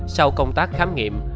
sau công tác khám nghiệm